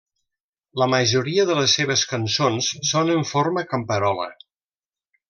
La majoria de les seves cançons són en forma camperola.